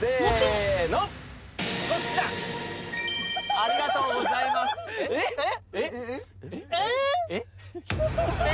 せのこっちだありがとうございますえっえっ？え！？